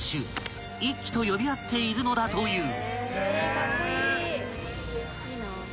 ［と呼び合っているのだという］